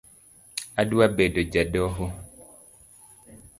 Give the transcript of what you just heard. Adwa bedo ja doho